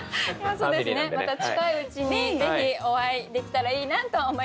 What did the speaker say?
そうですねまた近いうちにぜひお会いできたらいいなと思います。